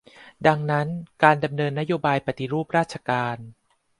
ดังนั้น การดำเนินนโยบายปฏิรูปราชการ